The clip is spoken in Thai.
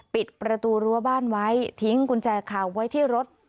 ปิดประตูรั้วบ้านไว้ทิ้งกุญแจคาไว้ที่รถ